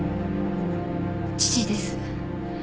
父です。